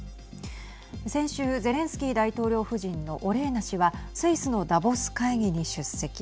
先週ゼレンスキー大統領夫人のオレーナ氏はスイスのダボス会議に出席。